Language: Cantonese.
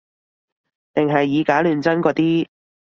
定係以假亂真嗰啲